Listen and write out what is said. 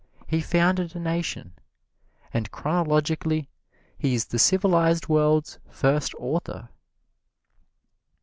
He founded a nation. And chronologically he is the civilized world's first author.